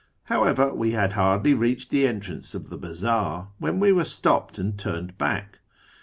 However, we had hardly reached the entrance of the bazaar when we were stopped and turned back.